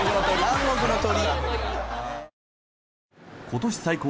南国の鳥。